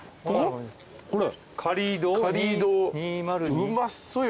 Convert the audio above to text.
うまそうよ。